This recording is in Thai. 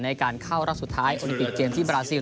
ในการเข้ารอบสุดท้ายโอลิมปิกเกมที่บราซิล